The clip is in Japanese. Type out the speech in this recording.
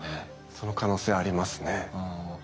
その可能性ありますね。